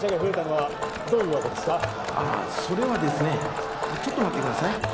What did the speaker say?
ああそれはですねちょっと待ってください。